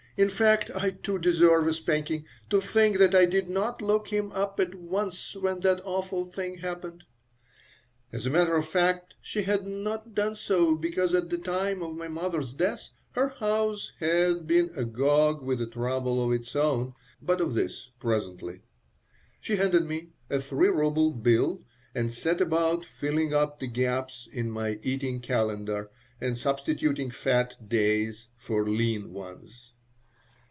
"In fact I, too, deserve a spanking. To think that I did not look him up at once when that awful thing happened!" As a matter of fact, she had not done so because at the time of my mother's death her house had been agog with a trouble of its own. But of this presently She handed me a three ruble bill and set about filling up the gaps in my eating calendar and substituting fat "days" for lean ones.